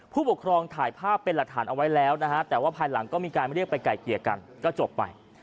ผู้ปกครองถ่ายภาพเป็นหลักฐานเอาไว้แล้วนะฮะแต่ว่าภายหลังก็มีการเรียกไปไก่เกลี่ยกันก็จบไป